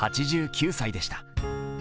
８９歳でした。